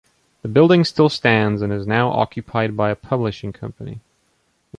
The building still stands and is now occupied by a publishing company.